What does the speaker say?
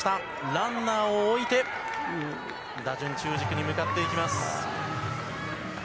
ランナーを置いて打順中軸に向かっていきます。